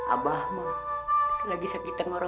abahmu selagi sakit tengorokan